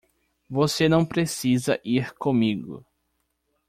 Você não precisa ir comigo.